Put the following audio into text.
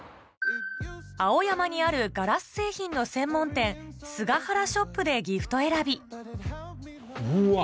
青山にあるガラス製品の専門店スガハラショップでギフト選びうわ！